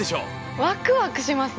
ワクワクしますね。